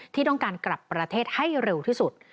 ที่ต้องการกลับประเทศให้เร็วที่สุด